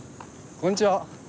こんにちは。